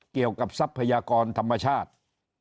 เกี่ยวกับทรัพยากรธรรมชาติ